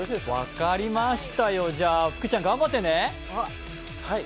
分かりましたよ、福ちゃん頑張ってね。